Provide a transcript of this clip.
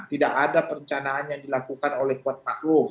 tidak ada perencanaan yang dilakukan oleh kuat makhluk